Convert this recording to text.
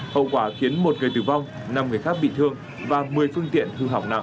hậu quả khiến một người tử vong năm người khác bị thương và một mươi phương tiện hư hỏng nặng